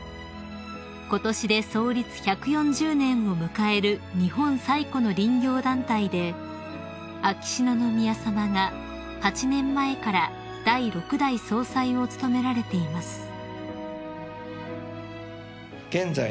［ことしで創立１４０年を迎える日本最古の林業団体で秋篠宮さまが８年前から第六代総裁を務められています］